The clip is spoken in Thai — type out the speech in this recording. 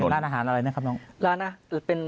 เป็นร้านอาหารอะไรนะครับน้อง